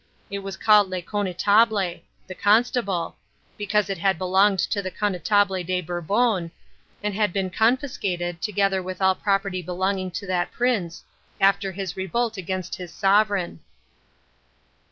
It was called Le Connétable (the Constable), because it had belonged to the Connétable de Bourbon, and had been confiscated, together with all property belonging to that prince, after his revolt against his sovereign.